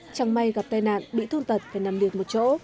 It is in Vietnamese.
chẳng may gặp tai nạn bị thương tật phải nằm liệt một chỗ